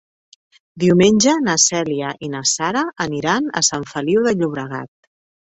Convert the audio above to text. Diumenge na Cèlia i na Sara aniran a Sant Feliu de Llobregat.